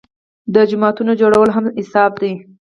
د جوماتونو جوړول هم حساب دي.